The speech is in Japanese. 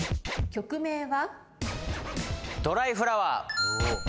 曲名は？